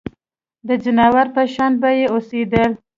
د ځناورو په شان به یې اوسېدل.